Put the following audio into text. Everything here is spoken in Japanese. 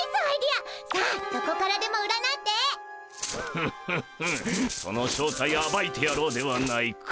フッフッフその正体あばいてやろうではないか！